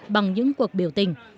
bằng những cuộc biểu tình